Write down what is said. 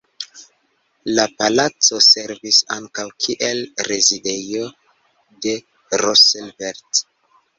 La palaco servis ankaŭ kiel rezidejo de Roosevelt.